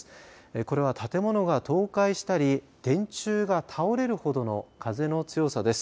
これは建物が倒壊したり電柱が倒れるほどの風の強さです。